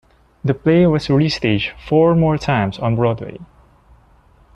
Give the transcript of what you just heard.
The play was restaged four more times on Broadway.